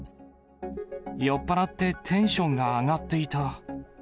酔っ払ってテンションが上がっていた。